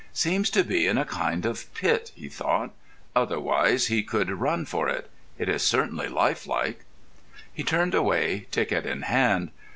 "Seems to be in a kind of pit," he thought. "Otherwise he could run for it. It is certainly life like." He turned away, ticket in hand.